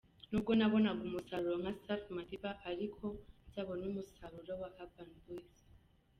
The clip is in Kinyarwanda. N’ubwo nabonaga umusaruro nka Safi Madiba ariko nzabone umusaruro wa Urban Boys.